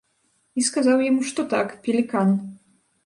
І сказаў яму, што так, пелікан.